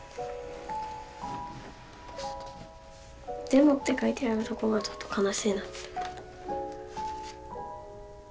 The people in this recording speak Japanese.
「でも」って書いてあるとこがちょっと悲しいなって。